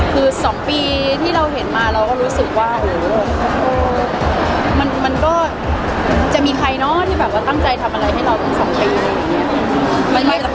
คือ๒ปีที่เราเห็นมาเราก็รู้สึกว่ามันก็จะมีใครมาที่ตั้งใจทำอะไรนะมีแม่แล้ว